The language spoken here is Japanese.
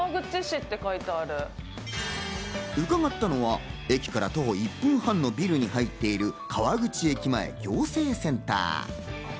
伺ったのは駅から徒歩１分半のビルに入っている川口駅前行政センター。